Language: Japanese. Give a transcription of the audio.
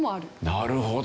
なるほど。